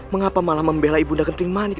mengapa malah membela ibu nda genting manik